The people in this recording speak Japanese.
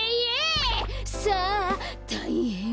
さぁたいへぇん！